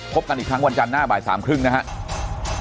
พบกันอีกครั้งวันจันทร์หน้าบ่าย๓๓๐นะครับ